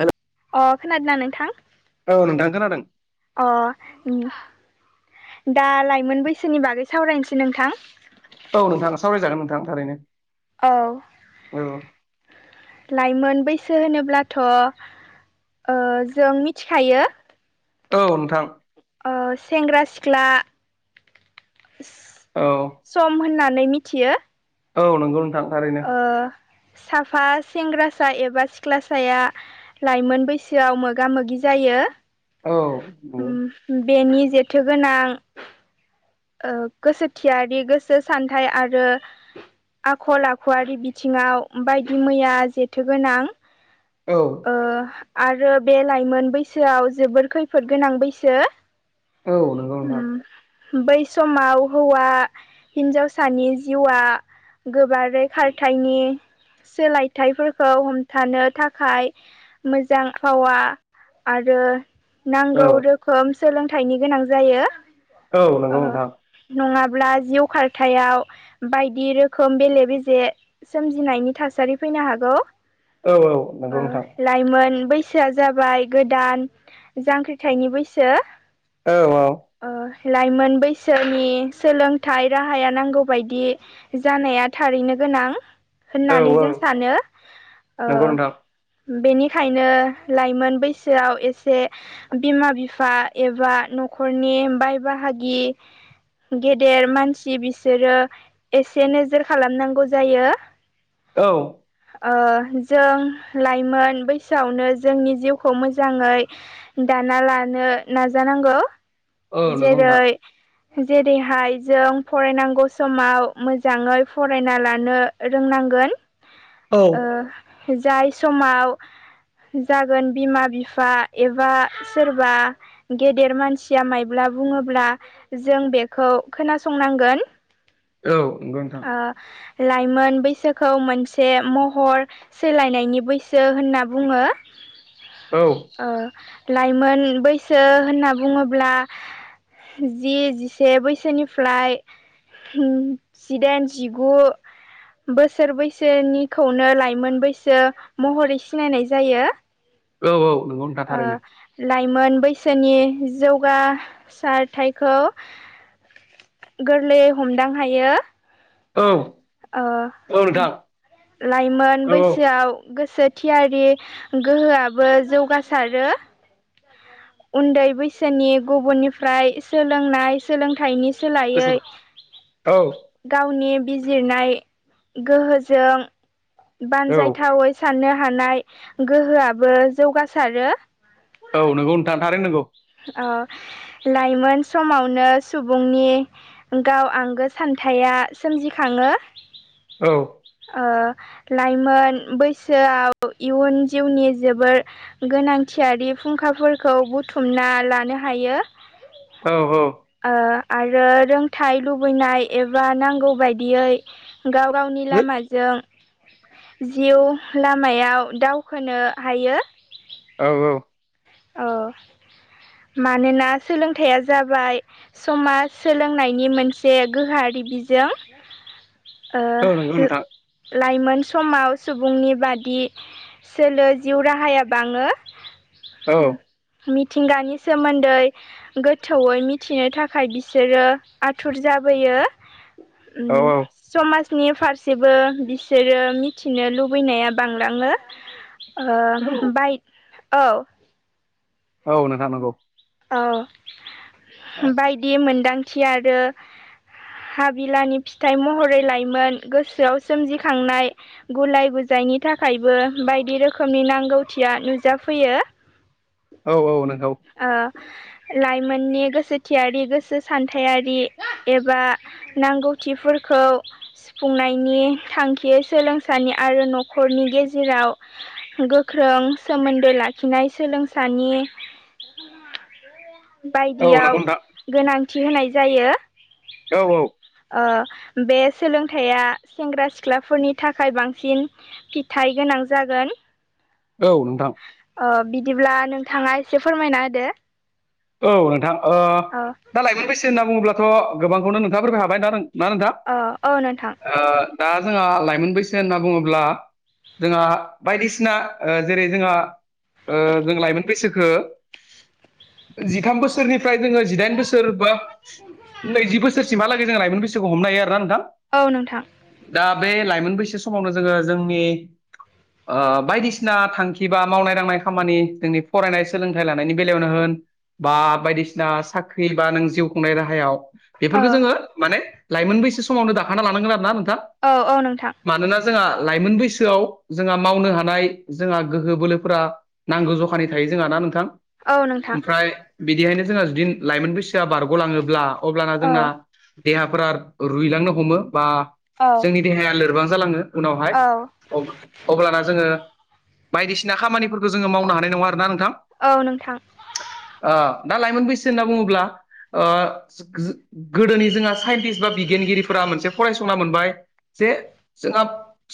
हेल अ खोनादोंना नोंथां औ नोंथां खोनादों अ दा लाइमोन बैसोनि बागै सावरायनोसै नोंथां औ नोंथाङा सावरायजागोन नोंथां थारैनो औ औ लाइमोन बैसो होनोब्लाथ' जों मिथिखायो औ नोंथां सेंग्रा सिख्ला औ सम होननानै मिथियो औ नंगौ नोंथां थारैनो साफा सेंग्रासा एबा सिख्लासाया लाइमोन बैसोआव मोगा मोगि जायो औ उम बेनि जेथोगोनां गोसोथियारि गोसो सान्थायाइ आरो आखल आखु खुवारि बिथिङाव बायदि मैया जेथोगोनां औ आरो बे लाइमोन बैसोआव जोबोर खैफोद गोनां बैसो औ नंगौ उ नोंथां बै समाव हौवा हिनजावसानि जिउआ गोबारै खारथायनि सोलायथाइफोरखौ हमथानो थाखाय मोजां फावा आरो औ नांगौ रोखोम सोलोंथाइनि गोनां जायो औ नंगौ नोंथां नङाब्ला जिउ खारथायाव बायदि रोखोम बेले बेे नायनि थासारि फैनो हागौ औ औ नंगौ नोंथां लाइमोन बा बैसोआ जाबाय गोदान जांख्रिथायनि बैसो औ औ लाइमोन बैसोनि सोलोंथाइ राहाया नांगौ बायदि जानाया थारैनो गोनां औ होननानै जों सानो नंगौ नोंथां बेनिखायनो लाइमोन बैसोआव एसे बिमा बिफा एबा न'खरनि बाय बाहागि गेदेर मानसि बिसोरो एसे नोजोर खालामनांगौ जायो औ जों लाइमोन बैसोआवनो जोंनि जिउखौ मोजाङै दाना लानो नाजानांगौ औ नंगौ नोंथां जेरै जेरैहाय जों फरायनांगौ समाव मोजाङै फरायना लानो औ रोंनांगोन जाय समाव जागोन बिमा बिफा एबा सोरबा गेदेर मानसिया मायब्ला बुङोब्ला जों बेखौ खोनासंनांगोन औ नंगौ नोंथां ओ लाइमोन बैसोखौ मोनसे महर सोलायनायनि बैसो होनना बुङो औ लाइमोन बैसो होनना बुङोब्ला जि जिसे बैसोनिफ्राय जिदाइन जिगु बोसोर बैसोनिखौनो लाइमोन बैसो महरै सिनायनाय जायो औ औ नोंङो लाइमोन बैसोनि जौगासारथायखौ गोरलैयै हमदां हायो औ औ नोंथां लाइमोन औ बैसोआव गोसो थियारि गोहोआबो जौगासारो उन्दै बैसोनि गुबुननिफ्राय सोलोंनाय सोलोंथाइनि सोलायै गावनि बिजिरनाय गोहोजों औ बानजायथावै साननो हानाय गोहोआबो जौगासारो औ नोंगौ नोंथां थारैनो नोंगौ। औ लाइमोन समावनो सुबुंनि गाव आंगो सानथाया सोमजिखाङो। औ लाइमोन बैसोआव इयुन जिउनि जोबोर गोनांथियारि फुंखाफोरखौ बुथुमना लानो हायो। औ औ आरो रोंथाइ लुबैनाय एबा नांगौ बायदियै। गाव गावनि लामाजों जिउ लामायाव दावखोनो हायो। औ औ। औ। मानोना सोलोंथाइया जाबाय समाज सोलोंनायनि मोनसे गोहारि बिजों औ नंगौ नोंथां लाइमोन समाव सुबुंनि बादि सोलो जिउ राहाया बाङो। औ। मिथिंगानि सोमोन्दै गोथौयै मिथिनो थाखाय बिसोरो आथुर जाबोयो। औ उम। समाजनि फारसेबो बिसोरो मिथिनो लुबैनाया बांलाङो। ओ औ बाइक औ औ नोंथां नंगौ। औ बायदि मोनदांथि आरो। हाबिलानि फिथाइ महरै लाायमोन गोसोआव सोमजिखांनाय। गुलाय गुजायनि थाखायबो बायदि रोखोमनि नांगौथिया नुजाफैयो औ औ नोंगौ। लाइमोननि गोसोथियारि गोसो सान्थायारि एबा। नांगौथिफोरखौ सुफुंनायनि थांखि सोलोंसालि आरो न'खरनि गेजेराव गोख्रों सोमोन्दो लाखिनाय सोलोंसानि औ नंगौ बायदियाव नोंथां गोनांथि होनाय जायो। औ औ बे सोलोंथाइया सेंग्रा सिख्लाफोरनि थाखाय बांसिन। फिथाइ गोनां जागोन। औ नोंथां। अ बिदिब्ला नोंथाङा एसे फोरमायना होदो। औ नोंथां औ दा लाइमोन बैसो होनना बुङोब्लाथ' गोबांखौनो नोंथाफोरबाय हाबाय ना ना नोंथां। औ औ नोंथां दा जोंहा लाइमोन बैसो होनना बुङोब्ला जोंहा बायदिसिना जेरै जोंहा जों लाइमोन बैसोखो जिथाम बोसोरनिफ्राय जोङो जिदाइन बोसोर बा नैजि बोसोरसिमहाला जों लायोमोनसखौ हनो हायो आरोना नोंथां। औ नोंथां दा बे लाइमोन बैसो समावनो जोङो जोंनि बायदिसिना थांखि बा मावनाय दांनाय खामानि जोंनि फरायनाय सोलोंथाइ लानायनि बेलायावनो होन बा बायदिसिना साख्रि बा नों जिउ खुंनाय राहायाव औ बेफोरखौ जोङो माने लाइमोन बैसो समावनो दाखाना लानांगोन आरो ना नोंथां। औ औ नोंथां मानोना जोंहा लाइमोन बैसोआव जोंहा मावनो हानाय जोंहा गोहो बोलोफोरा नांगौ जखानि थायो जोंहा ना नोंथां औ नोंथां। ओमफ्राय बिदिहायनो जोंहा जुदि लाइमोन बैसोआ बारग'लाङोब्ला अब्लाना औ जोंना देहाफोरा रुइलांनो हमो बा औ जोंनि देहाया लोरबां जालाङो उनावहाय औ अब्लाना जोङो बायदिसिना खामानिफोरखौ जोङो मावनो हानाय नङा आरोना नोंथां औ नोंथां दा लाइमोन बैसो होनना बुङोब्ला गोदोनि जोंहा साइन्टिस्ट बा बिगियानगिरिफोरा मोनसे फरायसंना मोनबाय जे जोंहा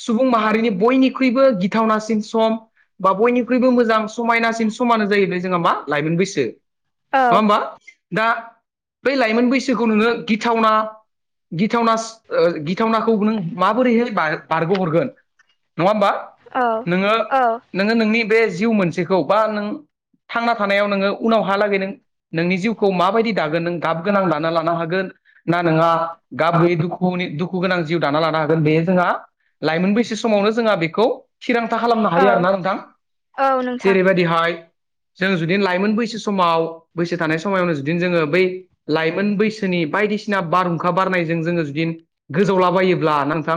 सुबुं माहारिनि बयनिख्रुइबो गिथावनासिन सम बा बयनिख्रुइबो मोजां समायनासिन समानो जाहबाय जोंहा मा लाइमोन बैसो औ नङा होमबा दा बै लाइमोन बैसोखौ नोङो गिथावना गिथावना गिथावनाखौ नों माबोरैहाय बारग'हरगोन नङा होमबा औ नोङो औ नोङो नोंनि बे जिउ मोनसेखौ बा नों थांना थानायाव नोङो उनावहालागै नों नोंनि जिउखौ माबायदि दागोन नों गाब गोनां लाना लानो हागोन ना नङा गाब्रयै दुखुनि दुखु गोनां जिउ दाना लानो हागोन बे जोंहा लाइमोन बैसो समावनो जोंहा बेखौ थिरांथा खालामनो औ हायो आरोना नोंथां औ नोंथां जेरैबायदिहाय जों जुदिनो लाइमोन बैसो समाव बैसो थानाय समावनो जुदिनो जोङो बै लाइमोन बैसोनि बायदिसिना बारहुंखा बारनायजों जोङो जुदि गोजावलाबायोब्ला नोंथां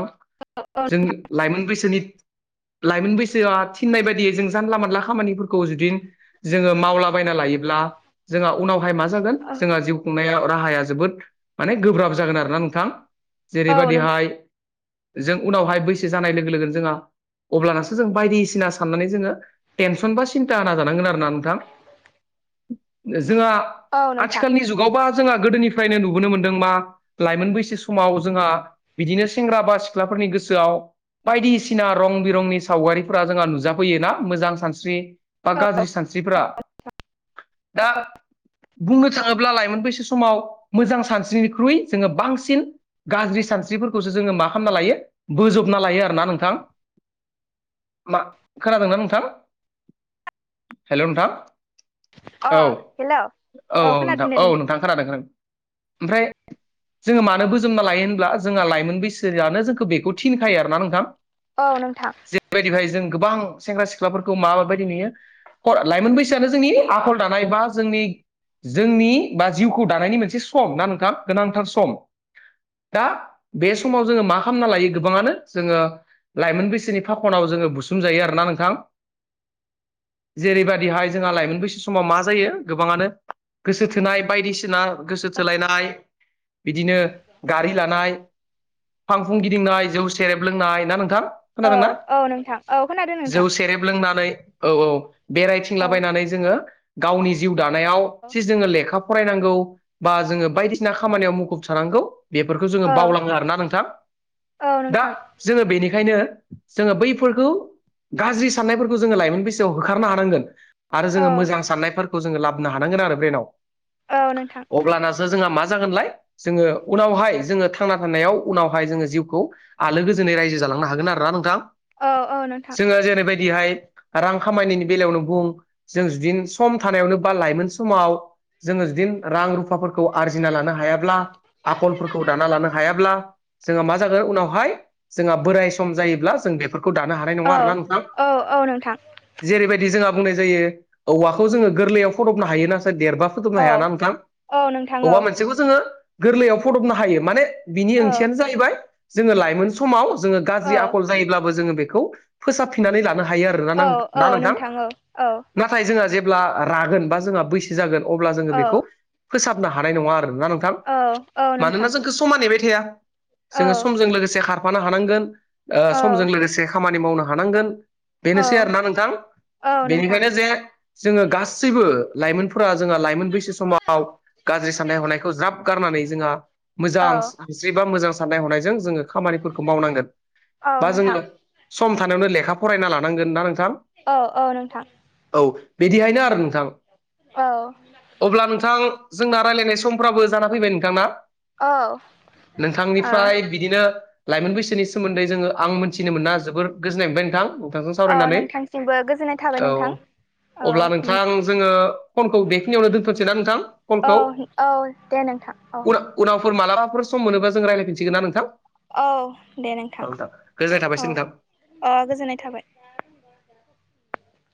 औ जों लाइमोन बैसोनि लाइमोन बैसोआ थिननाय बायदिै जों जानला मोनानला खामानिफोरखौ जुदि जोङो मावलाबायना लायोब्ला जोंहा उनावहाय मा जागोन जोंहा जिउ खुंनाया राहाया जोबोद माने गोब्राब जागोन आरोना नोंथां औ नोंथां जेरैबायदिहाय जों उनावहाय बैसो जानाय लोगो लोगोनो जोंहा अब्लानासो जों बायदिसिना साननानै जोङो टेनसन बा सिन्था नााजानांगोन आरोना जोंहा औ नोंथां आथिखालनि जुगावबा जोंहा गोदोनिफ्रायनो नुबोनो मोनदों मा लाइमोन बैसो समाव जोंहा बिदिनो सेंग्रा बा सिख्लाफोरनि गोसोआव बायदिसिना रं बिरंनि सावगारिफोरा जोंहा नुजाफैयोना मोजां सानस्रि बा औ गाज्रि सानस्रिफोरा दा बुंनो थाङोब्ला लाइमोन बैसो समाव मोजां सानस्रिनिख्रुइ जोङो बांसिन गाज्रि सानस्रिफोरखौसो जोङो मा खालामना लायो बोजबना लायो आरोना नोंथां मा खोनादोंना नोंथां हेल' नोंथां अ औ हेलौ औ औ नोंथां औ नोंथां खोनादों खोनादों ओमफ्राय जोङो मानो बोजोमना लायो होनब्ला जोंहा लाइमोन बैसोआानो जोंखौ बेखौ थिनखायो आरोना नोंथां औ नोंथां जेरैबायदिहाय जों गोबां सेंग्रा सिख्लाफोरखौ माबायदि नुयो लाइमोन बैसोआानो जोंनि आखल दानाय बा जोंनि जोंनि बा जिउखौ दानायनि मोनसे सम ना नोंथां गोनांथार सम दा बे समाव जोङो मा खालामना लायो गोबाङानो जोङो लाइमोन बैसोनि फाखनाव जोङो बुसुमजायो आरोना नोंथां जेरैबायाददिहाय जोंहा लाइमोन बैसो समाव मा जायो गोबाङानो गोसो थोनाय बायदिसिना गोसो थोलायनाय बिदिनो गारि लानाय फांफुं गिदिंनाय जौ सेरेब लोंनाय ना नोंथां औ खोनादोंना औ नोंथां औ खोनादों जौ नोंथां सेरेब लोंनानै औ औ बेरायथिंलाबायनानै जोङो गावनि जिउ दानायाव औ जि जोङो लेखा फरायनांगौ बा जोङो बायदिसिना खामानियाव मुखुब थानांगौ बेफोरखौ जोङो औ बावलाङो आरोना नोंथां औ दा नोंथां जोङो बेनिखायनो जोङो बैफोरखौ गाज्रि साननायफोरखौ जोङो लाइमोन बैसोआव गा ओंखारनो हानांगोन आरो औ जोङो मोजां साननायफोरखौ जोङो लाबोनो हानांगोन आरो ब्रेनाव औ नोंथां अब्लानासो जोंहा मा जागोनलाय जोङो उनावहाय जोङो थांना थानायाव उनावहाय जोङो जिउखौ आलो गोजोनै रायजो जालांनो हागोन आरोना नोंथां औ औ नोंथां जोङो जेरै बायदिहाय रां खामायनायनि बेलायावनो बुं जों जुदिनो सम थानायावनो बा लाइमोन समाव जोङो जदिनो रां रुफाफोरखौ आरजिना लानो हायाब्ला आखलफोरखौ दाना लानो हायाब्ला जोङहा मा जागोन उनावहाय जोंहा बोराय सम जायोब्ला जों बेफोरखौ दानो हानाय नङा औ आरोना नोंथां औ औ नोंथां जेरैबायदि जोंहा बुंनाय जायो औवाखौ जोङो गोरलैयाव फदबनो हायोोना सार देरबा फोदबनो औ हाया ना होनोंथां औ नोंथां औ बबबा मोनसेखौ जोङो गोरलैयाव फुदबनो हायो माने बिनि औ ओंथियानो जाहैबाय जोङो लाइमोन समाव जोङो गाज्रि औ आखल जायोब्लाबो जोङो बेखौ फोसाबफिननानै लानो हायो आरोना औ नां आं औ नोंथां औ नाथाय जोंहा जेब्ला रागोन बा जोंहा बैसो जागोन अब्ला जोङो औ बेखौ फोसाबनो हानाय नङा आरो ना नोंथां औ औ नोंथां मानोना जोंखौ समान नेबाय थाया औ जोङो समजों लोगोसे खारफानो हानांगोन औ समजों लोगोसे खामानि मावनो हानांगोन बेनोसै आरोोना औ नोंथां औ बेनिखायनो नोंथां जे जोङो गासैबो लाइमोनफोर फोर जोंहा लाइमोन बैसो समाव गाज्रि साननाय हनायखौ ज्राब गारनानै जोंहा औ मोजां हिस्रि बा मोजां साननाय हनायजों जोङो खामानिफोरखौ मावनांगोन औ बा नोंथां जोङो सम थानायावनो लेखा फरायना लानांगोन ना नोंथां औ औ नोंथां औ बिदिहायनो आरो नोंथां औ अब्ला नोंथां जोंना रायज्लायनाय समफ्राबो जाना फैबाय नोंथां ना औ ओ नोंथांनिफ्राय बिदिनो लाइमोन बैसोनि सोमोन्दै जोङो आं मिथिनो मोना जोबोर गोजोननाय मोनबाय नोंथां नोंथांजों सावरायनानै सिमबो गोजोननाय थाबाय औ नोंथां औ अब्ला नोंथां जोङो फनखौ बेखिनियावनो दोनथ'सै ना नोंथां फनखौ औ औ दे नोंथां औ उन उनावफोर मालाबफोर सम मोनोबा जों रायज्लायफिनसिगोन ना नोंथां औ दे नोंथां औथां गोजोननाय औ थाबायसै नोंथां अ गोजोननाय थाबाय